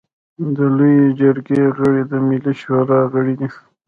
د لويې جرګې غړي د ملي شورا غړي دي.